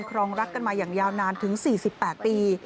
รองรักกันมาอย่างยาวนานถึง๔๘ปี